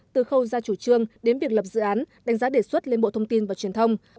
từ khâu ra chủ trương đến việc lập dự án đánh giá đề xuất lên bộ thông tin và truyền thông